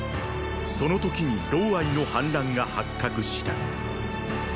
その時にの反乱が発覚した。